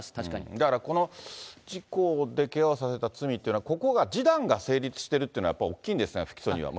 だからこの事故でけがをさせた罪っていうのは、ここが示談が成立してるっていうのがやっぱり大きいんですか、本村さん、不起訴には。